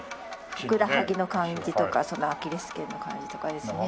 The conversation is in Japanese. ふくらはぎの感じとかアキレス腱の感じとかですね。